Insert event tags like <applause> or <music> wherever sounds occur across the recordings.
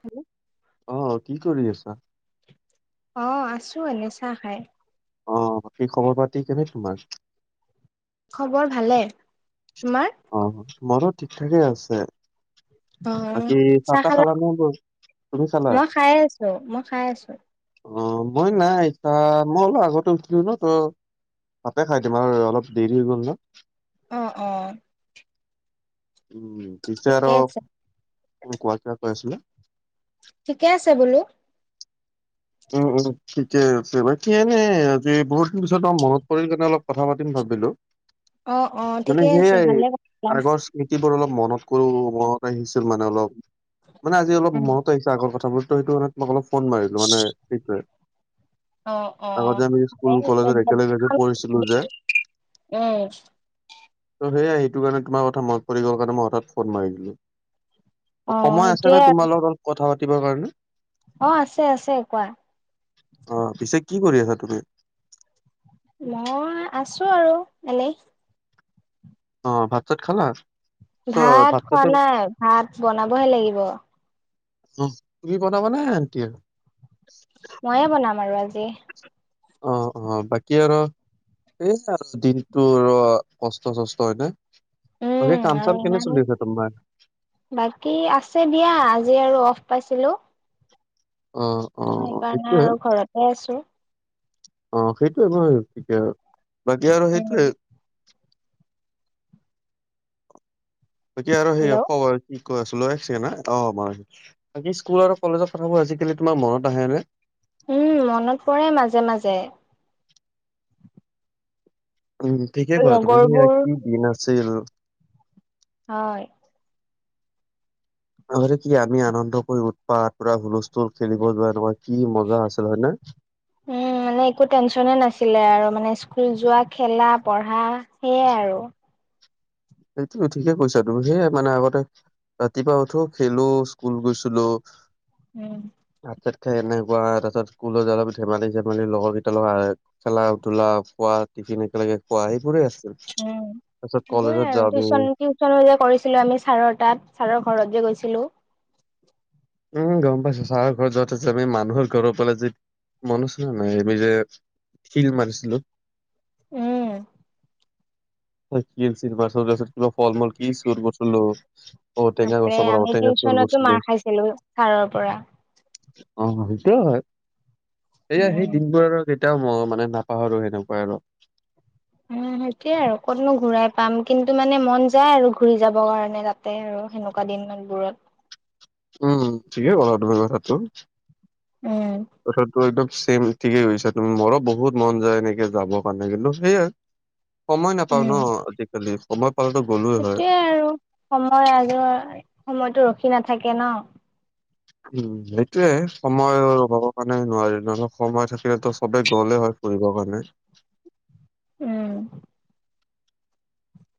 Hello. অহ, কি কৰি আছা? অহ, আছোঁ এনেই চাহ খাই। অহ, বাকী খবৰ পাতি কেনে তোমাৰ? খবৰ ভালে। তোমাৰ? অহ, মৰো ঠিক ঠাকে আছে। অহ, বাকী চাহ তাহ খালা? নে ব তুমি খালা? মই খাই আছোঁ। মই খাই আছোঁ। অহ মই নাই খাৱা। মই অলপ আগতে উঠিলো ন, ত ভাতে খাই দিম আৰু অলপ দেৰি হৈ গ'ল না। অহ', অহ'। উম, পিছে আৰু। আছে উম, কোৱা কিবা কৈ আছিলা? ঠিকে আছে বোলো। উম', উম'। ঠিকে আছে বাকি এনে বহুত দিন পিছত মনত পৰিল কাৰণে অলপ কথা পাতিম ভাবিলো। অ অ মানে ঠিকে আছে সেয়াই ভালে কথা আগৰ স্মৃতি বোৰ অলপ মনত কৰো মনত আহিছিল মানে অলপ মানে আজি অলপ উম মনত আহিছে আগৰ কথাবোৰ। সেইটো মানে তোমাক অলপ ফোন মাৰিলো মানে সেইটোয়ে। অ অ আগতে আমি স্কুল কলেজত একেলগে যে পঢ়িছিলো যে। উম। ত' সেয়ে আহিটো কাৰণে তোমাৰ কথা মনত পৰি গ'ল কাৰণে মই হঠাৎ ফোন মাৰি দিলো। অ সময় আছে সেইটোয়ে ন আৰু তোমাৰ লগত কথা পাতিবৰ কাৰণে? অ', আছে আছে কোৱা। আহ, পিছে কি কৰি আছা তুমি? মই আছো আৰু এনে। অ', ভাত চাত খালা? চ ভাত খোৱা চাত নাই ভাত বনাবহে লাগিব। তুমি বনাবানে আনটিয়ে? ময়ে বনাম আৰু আজি। এ দিনটো আৰু কষ্ট চষ্ট হয়নে। বাকী উম, কাম আৰু চাম কেনে ইমান চলি আছে তোমাৰ? বাকী আছে দিয়া আজি আজি আৰু অফ পাইছিলো। অ', ত' অ', সেইকাৰণে সেইটোয়ে। আৰু ঘৰতে আছো অ', সেইটোয়ে বাৰু থিকে আৰু বাকী আৰু উম সেইটোৱে। বাকি আৰু সেই হেল্ল' খবৰ কি ক আছ? <unintelligible> অ', বাকি স্কুল আৰু কলেজৰ কথাবোৰ আজিকালি তোমাৰ মনত আহেনে? উম, মনত পৰে মাজে মাজে। উম, ঠিকেই ক'লা তুমি সেয়া লগৰবোৰ কি দিন আছিল। হয়। আগতে কি আমি আনন্দ কৰি উতপাত পুৰা হুলস্থুল খেলিব যোৱা এনেকুৱা কি মজা আছিল হয় নে? উম মানে একো টেনচনে নাছিলে আৰু মানে স্কুল যোৱা খেলা পঢ়া সেইয়ায়ে আৰু। সেইটো ঠিকে কৈছা তুমি সেয়াই মানে আগতে ৰাতিপুৱা উঠো খেলো স্কুল গৈছিলো। উম। ভাত চাত এনেকুৱা তাৰ পাছত স্কুলত যায় ধেমালি চেমালি লগৰ কেইটাৰ লগত আহ খেলা ধূলা খোৱা দিন একেলগে খোৱা সেিবোৰেই আছিল। উম তাৰ পিছত সেইবোৰে কলেজত আৰু যাওঁ আমি টিউচন টিউচন যে কৰিছিলো আমি ছাৰৰ তাত ছাৰৰ ঘৰত যে গৈছিলো। উম, গম পাইছো চাৰৰ ঘৰ য'ত আছে আমি মানুহৰ ঘৰৰ ফালে যে মনত আছে নে নাই আমি যে শিল মাৰিছিলো। উম। কি আছিল তাৰ পাছত ফল মূল কি চুৰ কৰিছিলোঁ। তাৰপৰে আমি টিউচনতো মাৰ খাইছিলো ছাৰৰ পৰা। অ', সেইটো হয় এয়া সেই উম দিনবোৰ আৰু এতিয়াও মই মানে নাপাহৰো সেনেকুৱাই আৰু। উম সেইটোয়ে আৰু ক'তনো ঘুৰাই পাম। কিন্তু মানে মন যায় আৰু ঘুৰি যাব কাৰণে তাতে আৰু সেনেকুৱা দিন। ইমান দূৰত। উম, ঠিকেই ক'লা তুমি কথাটো উম কথাটো এইটো ছেম ঠিকেই কৈছা তুমি মোৰো বহুত মন যায় এনেকে যাবৰ কাৰণে কিন্তু সেইয়াই। সময় নাপাওঁ ন আজিকালি সময় পালেতো গ'লোয়ে হয় সেইটোৱে আৰু সময় আৰু সময়টো ৰখি নাথাকে ন। উম, সেইটোৱে সময়ৰ অভাৱৰ কাৰণে নোৱাৰিলো ন। সময় থাকিলেতো চবে গ'লে হয় ফুৰিবৰ কাৰণে। উম।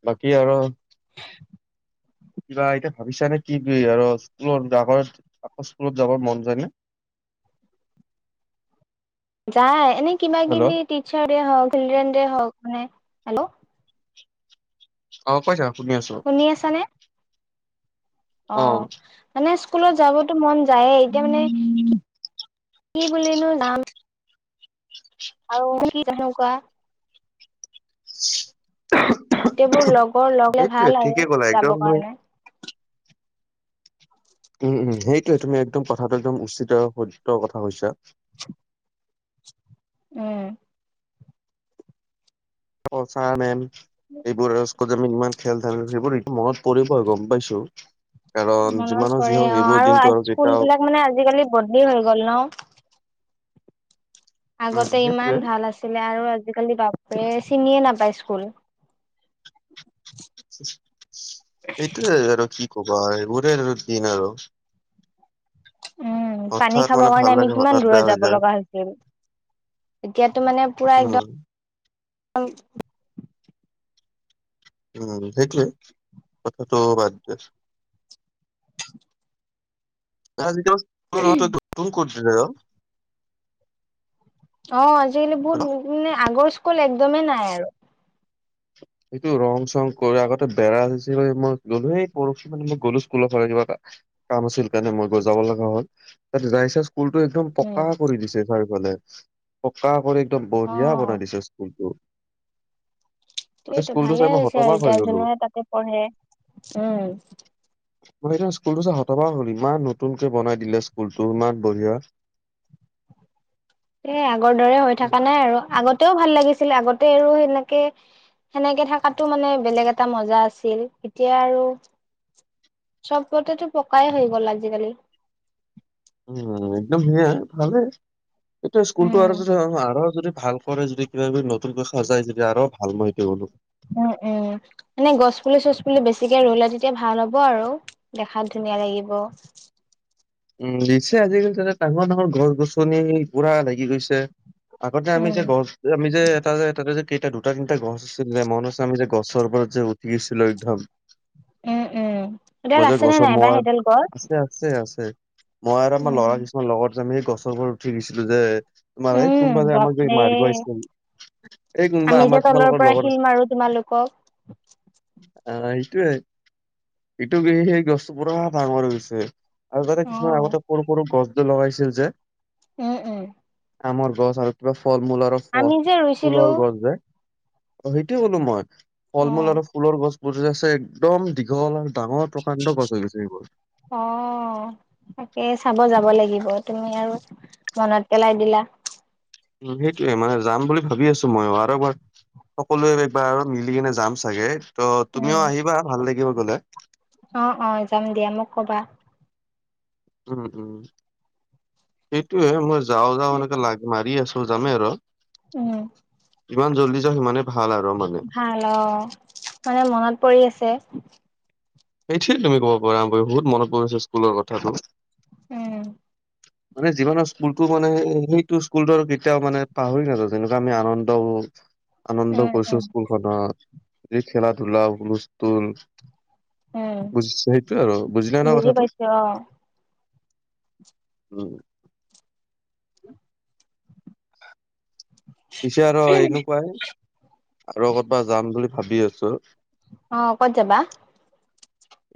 বাকী আৰু <inaudible> কিবা এতিয়া ভাবিছা নে? কি আৰু স্কুলৰ আগৰ স্কুলত, আকৌ স্কুলত যাব মন যায় নে? <inaudible> যায়। এনে কিবা হেল্ল' কিবি টিচাৰ্চদে হওঁক, চিলড্ৰেনদে হওঁক মানে, হে'ল্ল' অ', কৈ থা শুনি আছানে? অ', মানে স্কুলত যাবতো মন যায়ে। এতিয়া মানে কি-কি বুলিনো যাম। আৰু <unintelligible> কেনেকোৱা গোটেইবোৰ লগৰ লগ হ'লে সেইটোয়ে ভাল আৰু ঠিকে ক'লা একদম যাবৰ তুমি কাৰণে। উম, উম, সেইটোয়ে। তুমি একদম কথাটো একদম উচিত সত্য কথা কৈছা। উম। <unintelligible> ছাৰ-মেম এইবোৰ আৰু স্কুল আমি ইমান খেল-ধামালি, সেইবোৰ মনত পৰিব আৰু গম পাইছো। কাৰণ মনত যিমানো যি পৰে। হওক অ', এইবোৰ আৰু দিনটো আজি স্কুল কেতিয়াও বিলাক মানে আজিকালি বদলি হৈ গ'ল ন? উম আগতে ইমান সেইটোয়ে ভাল আছিলে আৰু আজিকালি বাপৰে চিনিয়ে নাপায় স্কুল। এইটোৱে আৰু কি কবা এইবোৰে দিন আৰু। উম, পানী হঠাৎ খাব মানে ভাল কাৰণে আমি লাগে কিমান হঠাৎ দূৰত বেয়া হৈ যাব যায় লগা হৈছিল। এতিয়াতো মানে পুৰা উম এক-দম উম, সেইটোৱেই। কথাটো বাদ <unintelligible> <unintelligible> <unintelligible> ফোন কৰিছিলে আৰু অ', আজিকালি বহুত মানে আগৰ স্কুল একদমেই নাই আৰু। সেইটো ৰং-চং কৰি আগতে বেৰা আছিলে মই গ'লো, হেই পৰখি মানে মই গ'লো স্কুলৰ ফালে কিবা এটা কাম আছিল কাৰণে মই গৈ যাব লগা হ'ল। তাত যাই চাই স্কুলটো একদম উম পকা কৰি দিছে চাৰিওফালে। পকা কৰি একদম অ বঢ়িয়া বনাই দিছে স্কুলটো। মানে সেইটো স্কুলটো ভালে চাই মই হৈছে আৰু হতবাক হৈ এতিয়া গ'লো যোনবোৰে তাতে পঢ়ে। উম। মই সেইনা স্কুলটো চাই হতবাক হ'লো! ইমান নতুনকে বনাই দিলে স্কুলতটো, ইমান বঢ়িয়া। <inaudible> এ আগৰ দৰে হৈ থাকা নাই আৰু। আগতেও ভাল লাগিছিল, আগতে আৰু সেনেকে সেনেকে থাকাতো মানে বেলেগ এটা মজা আছিল। এতিয়া আৰু চবতেটো পকাই হৈ গ'ল আজিকালি। উম, একদম সেয়াই ভালে। এতঃয়া স্কুলটো উম আৰু <unintelligible> যদি ভাল কৰে যদি, কিবা কিবি নতুনকৈ সজাই যদি আৰু ভাল মই হেতোয়ে ক'লো। উম, উম, এনে গছপুলি-চছপুলি বেছিকে ৰুলে তেতিয়া ভাল হ'ব আৰু। দেখাত ধুনী ধুনীয়া লাগিব। উম, দিছে আজিকালি তাতে ডাঙৰ ডাঙৰ গছ-গছনি পুৰা লাগি গৈছে। আগতে আমি উম যে গছ যে, আমি যে এটা যে টাতে যে তেতিয়া দুটা-তিনিটা গছ আছিলে। মনত আছেনে আমি যে গছৰ ওপৰত যে উঠি আছিলো একদম। উম উম। এডাল মইযে আছে নে গছত নাই বা <unintelligible> সেইডাল গছ? আছে'আছে, আছে। মই আৰু আমাৰ ল'ৰা উম কিছুমান লগত যে আমি গছৰ ওপৰত উঠি গৈছিলো যে তোমাৰ এই কোনোবা উম। যে আমাক যে বাপৰে মাৰিব আহিছিলে। এই কোনোবা আমি যে আমাৰ, তলৰ তোমালোকৰ পৰা লগৰ। শিল মাৰো তোমালোকক। আ সেইটোৱে। এইটো কি সেই গছ পুৰা ডাঙৰ হৈ গৈছে। আৰু তাতে অ' আগতে সৰু-সৰু গছটো লগাইছিল যে। উম, উম। আমৰ গছ আৰু কিবা ফল-মূল আৰু ফল, আমি যে ৰুইছিলো। ফুলৰ গছ যে অ', সেইটোয়ে ক'লো মই। ফল-মূল অ'। আৰু ফুলৰ গছবোৰ যে আছে একদম দীঘল আৰু ডাঙৰ প্ৰকাণ্ড গছ হৈ গৈছে সেইবোৰ। অ' তাকে চাব যাব লাগিব, তুমি আৰু মনত পেলাই দিলা। <unintelligible> যাম বুলি ভাবি আছো মইও আৰু এবাৰ সকলোৱে এইবাৰ মিলি কিনে যাম চাগে, ত' উম তুমিও আহিবা ভাল লাগিব গলে। অ', অ' যাম দিয়া মোক কবা। উম', উম' সেইটোয়ে মই যাও যাওঁ এনেকে লাগ মাৰি আছো যামে আৰু উম' যিমান জল্দি যাওঁ সিমানে ভাল আৰু মানে ভাল অ' মানে মনত পৰি আছে সেইটোয়ে তুমি ক'ব পাৰা, বহুত মনত পৰিছে স্কুলৰ কথাটো উম' মানে জীবনৰ স্কুলটো মানে সেইটো স্কুলতো আৰু কেতিয়াও মানে পাহৰি নাযাওঁ, যেনেকুৱা আমি আনন্দ কৰো আনন্দ উম কৰিছো উম স্কুলখনত, এই খেলা ধূলা হুলস্থুল উম। বুজিছো সেইটো আৰু, বুজিলা ন বুজি কথাটো? পাইছো অ' উ' পিছে আৰু এনেকুৱাই আৰু কত বা যাম বুলি ভাবি আছো অ' কত যাবা?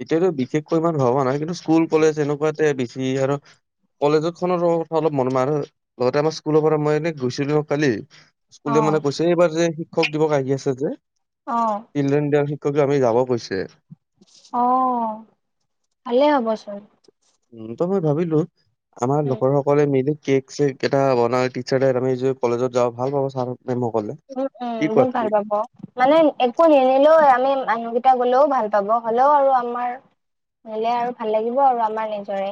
এতিয়াতো বিশেষকৈ ইামান ভবা নাই কিন্তু স্কুল কলেজ এনেকুৱাতে বেছি আৰু কলেজৰখনৰ কথা অলপ মন মাৰো, লগতে আমাৰ স্কুলৰ পৰা মই এনে গৈছিলো কালি স্কুলে অ' মানে কৈছে, এইবাৰ যে শিক্ষক দিৱস আহি আছে যে, অ' চিলড্ৰেন দে আমি যাব কৈছে অ' ভালে হব চোন উম' ত' মই ভাবিলোঁ, আমাৰ উম। লকৰ সকলোৱে মিলি কেক-চেক এটা বনাই টিচাৰৰ আমি যদি কলেজত যাওঁ ভাল পাব ছাৰো উম, উম বহুত ভাল পাব, মানে একো নিনিলেও আমি মানুহকেইটা গ'লেও ভাল পাব, হ'লেও আৰু আমাৰ নিলে আৰু ভাল লাগিব আৰু আমাৰ নিজৰে।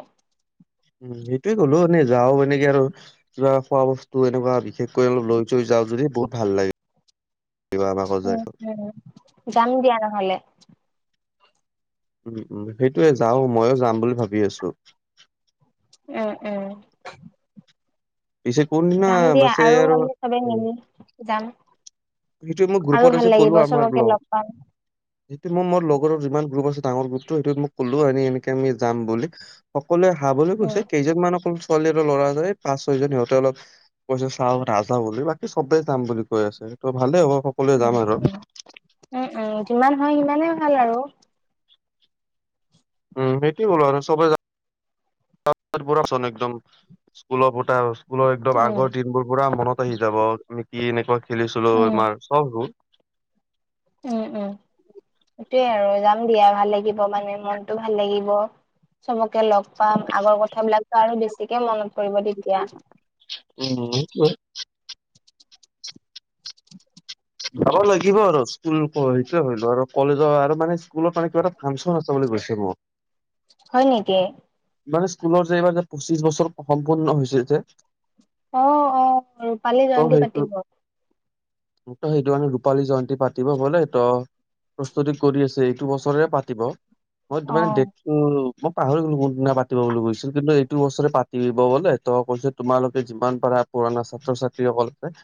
উম, সেইটোয়ে ক'লো এনে যাওঁ এনেকে আৰু, কিবা খোৱা বস্তু এনেকুৱা বিশেষকৈ অলপ লৈ চৈ যাওঁ যদি। বহুত ভাল লাগে। কিবা আমাকো যায়। উম', উম' যাম দিয়া নহ'লে। উম', উম' সেইটোৱে যাওঁ, মইয়ো যাম বুলি ভাবি আছোঁ। উম', উম' পিছে কোনদিনা যাম দিয়া বাছে আৰু আমি চবেই উম, মিলি, যাম। সেইটোৱে মই আৰু গ্ৰুপত ভাল আজি লাগিব ক'লো আমাৰ চবকে লগ পাম সেইটো মই মোৰ লগৰৰ যিমান গ্ৰুপ আছে ডাঙৰ গ্ৰুপটো সেইটোত মই ক'লো এনে এনেকে আমি যাম বুলি, সক কলোৱে হা বুলি কৈছে, উম কেইজনমান অকল ছোৱালী আৰু ল'ৰাজনে এই পাঁচ, ছয়জন সিহঁতে অলপ কৈছে চাওঁ নাযাওঁ বুলি, বাকী সবেই যাম বুলি কৈ আছে। তো ভালে হ'ব। সকলোৱে যাম উম', আৰু। উম', উম', উম', যিমান হয় সিমানেই ভাল আৰু উম' সেইটোৱে ক'লো আৰু চবেই যা তহঁত বোৰো চোন একদম, স্কুলৰ <unintelligible> স্কুলৰ একদম উম আগৰ দিনবোৰ পুৰা মনত আহি যাব, আমি কি এনেকুৱা খেলিছিলো, আমাৰ চববোৰ উম', উম' সেইটোয়ে আৰু যাম দিয়া। ভাল লাগিব মানে, মনটো ভাল লাগিব। চবকে লগ পাম, আগৰ কথাবিলাকতো আৰু বেছিকে মনত পৰিব তেতিয়া। <unintelligible> যাব লাগিব আৰু, স্কুল ক সেইটোয়ে হ'লে আৰু কলেজৰ আৰু মানে স্কুলৰ মানে কিবা এটা ফাংচন আছে <unintelligible> হয় নেকি? মানে স্কুলৰ যে, এইবাৰ যে, পঁচিশ বছৰ সম্পূৰ্ন হৈছে যে অ', অ' ৰূপালী জয়ন্তী পাতিব। মোক তো সেইটো কাৰণে ৰূপালী জয়ন্তী পাতিব বোলে তো প্ৰস্তুতি কৰি আছে, এইটো বছৰে পাতিব। মই এইটো মানে <unintelligible> মই পাহৰি গ'লো কোনদিনা পাতিব বুলি কৈছিল। কিন্তু এইটো বছৰে পাতিব বোলে। তো কৈছে তোমালোকে যিমান পাৰা পুৰণা ছাত্ৰ-ছাত্ৰীসকলকে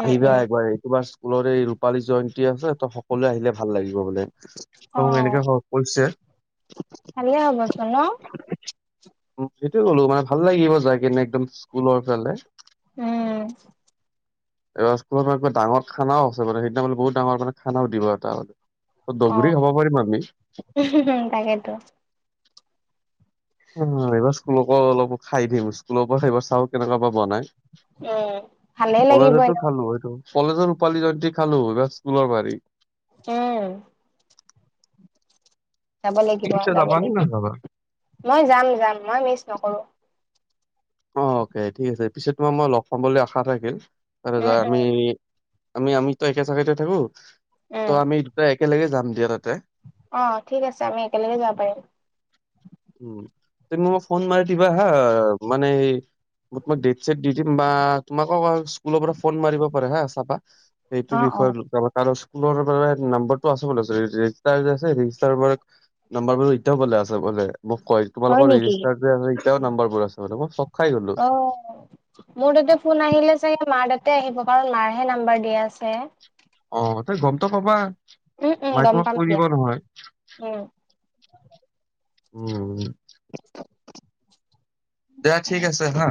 উম আহিবা উম একবাৰ এই তোমাৰ স্কুলৰ এই ৰূপালী জয়ন্তী আছে, তো সকলোৱে আহিলে ভাল লাগিব বোলে। অ এনেকে হ'ব কৈছে। কালিয়ে হ'বচোন ন? উম সেইটোৱে ক'লো মানে ভাল লাগিব যাই কিনে একদম স্কুলৰ ফালে। উম এইবাৰ স্কুলত মানে কিবা ডাঙৰ খানাও আছে মানে, সেইদিনাখন বহুত ডাঙৰ মানে খানা দিব এটা অ দগৰি খাব পাৰিম আমি। তাকেতো অ এইবাৰ স্কুলৰপৰাও অলপো খাই দিম। স্কুলৰ পৰা সেইবাৰ চাওঁ কেনেকুৱা বা বনায়। উম ভালে লাগিব কলেজতো এনেও খালো সেইটো। কলেজৰ ৰূপালী জয়ন্তী খালোঁ, এইবাৰ স্কুলৰ বাৰি। উম যাব তুমি লাগিব, পিছে যাব যাবা নে লাগিব। নাযাবা মই যাম, যাম। মই মিচ নকৰোঁ। অকে ঠিক আছে। পিছত তোমাৰ মই লগ পাম বুলি আশা থাকিল। তাতে উম যাই উম আমি আমি আমিতো একে জাগাতে থাকো। তো উম আমি দুটা একেলগে যাম দিয়া তাত। অ ঠিক আছে। আমি একেলগে যাব পাৰিম। উম তুমি মোক ফোন মাৰি দিবা হা। মানে হেই মই তোমাক দেট চেট দি দিম বা তোমাকো আৰু স্কুলৰ পৰা ফোন মাৰিব পাৰে হা, চাবা। সেইটো অ অ বিষয়ে যাব কাৰছ নাম্বাৰটো আছে বোলে নাম্বৰ ৰেজিষ্টাৰ এতিয়াও বোলে আছে বোলে মোক হয় তোমালোকৰ নেকি ৰেজিষ্টাৰ এতিয়াও নাম্বাৰ বোৰ আছে খাই গ'লো। অ মোৰ তাতে ফোন আহিলে চাগে মা তাতে আহিব কাৰণ মাৰহে নাম্বাৰ দিয়া আছে অ তই গমটো কবা উম উম মাই গম তোমাক পাম কৈ দিব দিয়া নহয় উম উম দিয়া ঠিক আছে হা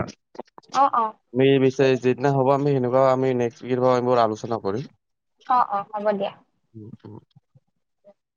অ অ আমি বিচাৰ ঠিক আছে যিদিনা হ'ব আমি অ নেক্স আলোচনা অ অ হ'ব দিয়া কৰিম <inaudible>